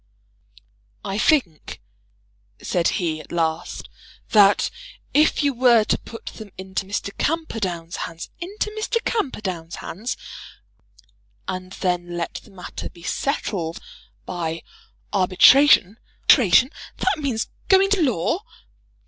"I think," said he, at last, "that if you were to put them into Mr. Camperdown's hands " "Into Mr. Camperdown's hands!" "And then let the matter be settled by arbitration " "Arbitration? That means going to law?"